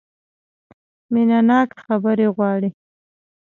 مینه ناکه خبرې غواړي .